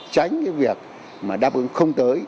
tránh cái việc mà đáp ứng không tới